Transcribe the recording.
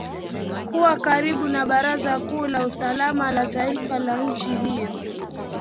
kuwa karibu na baraza kuu la usalama la taifa la nchi hiyo